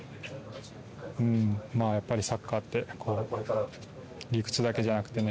まあやっぱりサッカーって理屈だけじゃなくてね